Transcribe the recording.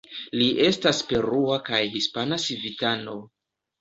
Li estas perua kaj hispana civitano.